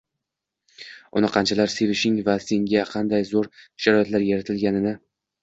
uni qanchalar sevishing va senga qanday zo‘r sharoitlar yaratilganini